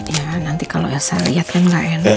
iya nanti kalau elsa lihatnya gak enakan